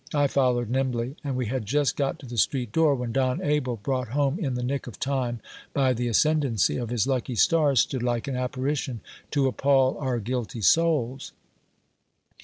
I followed nimbly ; and we had just got to the street door, when Don Abel, brought home in the nick of time by the ascendancy of his lucky stars, stood like an apparition, to appal our guilty souls.